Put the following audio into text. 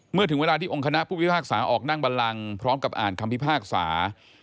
ถึงเวลาที่องค์คณะผู้พิพากษาออกนั่งบันลังพร้อมกับอ่านคำพิพากษา